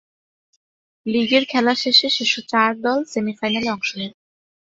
লীগের খেলা শেষে শীর্ষ চার দল সেমি-ফাইনালে অংশ নিবে।